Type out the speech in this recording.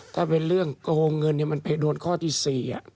ถ้าเป็นเรื่องโกหกเงินเนี่ยมันไปโดนข้อที่๔อะ